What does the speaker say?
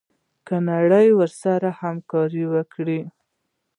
که نړۍ ورسره همکاري وکړي.